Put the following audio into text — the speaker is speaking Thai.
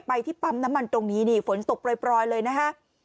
ที่ปั๊มน้ำมันตรงนี้นี่ฝนตกปล่อยเลยนะฮะ